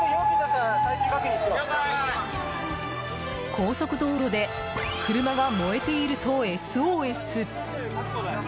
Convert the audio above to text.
高速道路で車が燃えているとＳＯＳ。